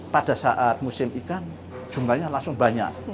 pada saat musim ikan jumlahnya langsung banyak